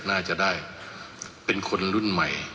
น่าจะได้เป็นคนรุ่นใหม่